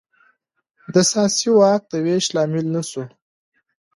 د سیاسي واک د وېش لامل نه شو.